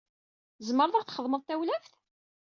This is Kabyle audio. Tzemreḍ ad aɣ-txedmeḍ tawlaft?